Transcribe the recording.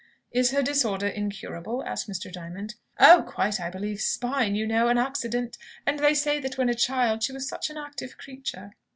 "Is her disorder incurable?" asked Mr. Diamond. "Oh, quite, I believe. Spine, you know. An accident. And they say that when a child she was such an active creature."